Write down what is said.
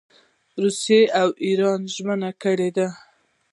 روسیې او اېران ژمنه کړې ده.